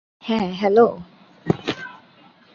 হ্যাঁঁ, হ্যাঁলো।